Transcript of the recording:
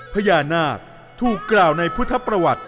พญานาคถูกกล่าวในพุทธประวัติ